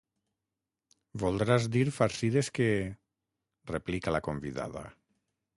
Voldràs dir farcides que —replica la convidada.